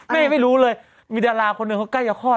ไม่รู้เลยมีดาราคนหนึ่งเขาใกล้จะคลอด